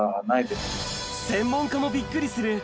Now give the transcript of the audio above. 専門家もびっくりする